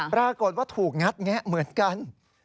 ปรากฏว่าถูกงัดแงะเหมือนกัน